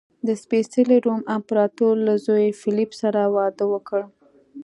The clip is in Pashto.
د سپېڅلي روم امپراتور له زوی فلیپ سره واده وکړ.